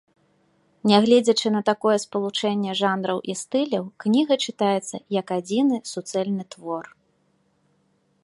Нягледзячы на такое спалучэнне жанраў і стыляў, кніга чытаецца як адзіны, суцэльны твор.